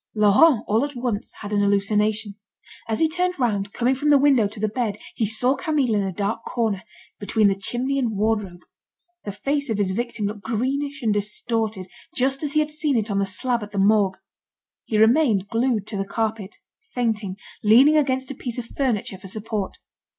Laurent, all at once, had an hallucination. As he turned round, coming from the window to the bed, he saw Camille in a dark corner, between the chimney and wardrobe. The face of his victim looked greenish and distorted, just as he had seen it on the slab at the Morgue. He remained glued to the carpet, fainting, leaning against a piece of furniture for support.